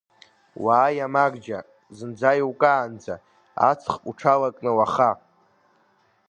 Уааи амарџьа, зынӡа иукаанӡа, аҵх уҽалакны уаха!